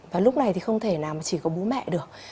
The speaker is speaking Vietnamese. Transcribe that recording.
và lúc này thì không thể nào mà chỉ có bố mẹ được